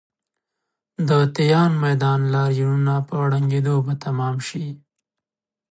د تیان میدان لاریونونه په ړنګېدو به تمام شي.